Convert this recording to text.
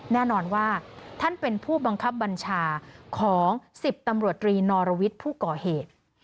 แน่นอนว่าท่านเป็นผู้บังคับบัญชาของ๑๐ตำรวจตรีนอรวิทย์ผู้ก่อเหตุ